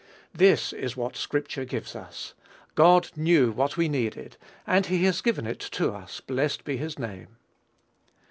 This is what scripture gives us. God knew what we needed, and he has given it to us, blessed be his name!